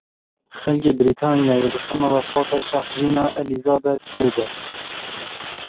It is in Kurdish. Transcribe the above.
Xelkê Brîtanyayê di xema wefata Şahjina Elizabeth du de.